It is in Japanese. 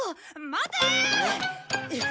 待て！